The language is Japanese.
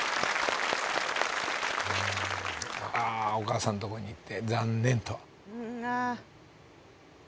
ああお母さんとこに行って残念と。